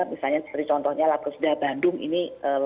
misalnya seperti contohnya lab residah bandung ini